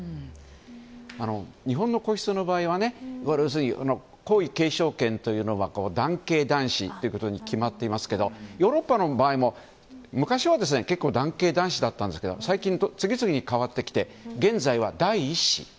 日本の皇室の場合は皇位継承権というのは男系男子ということに決まっていますけどヨーロッパの場合も昔は結構男系男子だったんですが最近、次々に変わってきて現在は第１子。